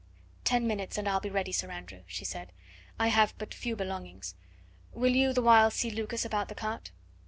"Ten minutes and I'll be ready, Sir Andrew," she said. "I have but few belongings. Will you the while see Lucas about the cart?"